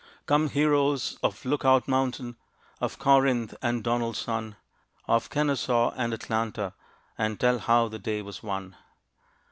Come, heroes of Look Out Mountain, Of Corinth and Donelson, Of Kenesaw and Atlanta, And tell how the day was won!